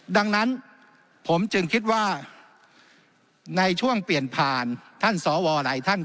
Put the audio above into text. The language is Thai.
ดังนั้นผมจึงคิดว่าในช่วงเปลี่ยนผ่านท่านสวหลายท่าน